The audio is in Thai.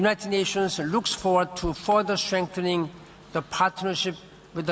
เพื่อสร้างโลกศึกษาและภูมิธรรมศึกษาและภูมิธรรมชีวิต